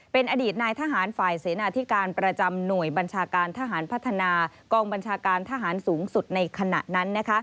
เป็นอดีตนายทหารฝ่ายเสนาธิการประจำหน่วยบัญชาการทหารพัฒนากองบัญชาการทหารสูงสุดในขณะนั้น